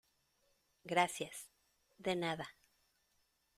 gracias. de nada .